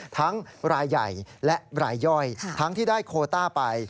ทั้งรายใหญ่และรายย่อยทั้งที่ได้โคต้าไป